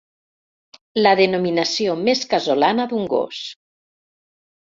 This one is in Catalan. La denominació més casolana d'un gos.